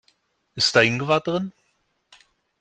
Ist da Ingwer drin?